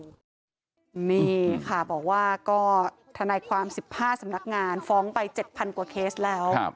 นี่ค่ะบอกว่าก็ทนายความ๑๕สำนักงานฟ้องไป๗๐๐กว่าเคสแล้ว